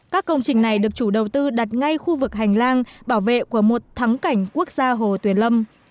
các công trình này được chủ đầu tư đặt ngay khu vực hành lang bảo vệ của một thắng cảnh quốc gia hồ tuyền lâm